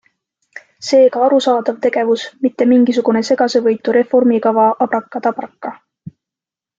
Seega arusaadav tegevus, mitte mingisugune segasevõitu reformikava abraka-tabraka.